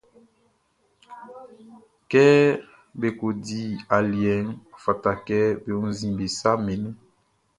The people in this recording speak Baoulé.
Kɛ be ko di aliɛʼn, ɔ fata kɛ be wunnzin be saʼm be nun.